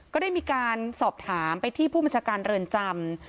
ก็ได้มีการสอบถามไปที่ผู้บัญชาการเรือนจำ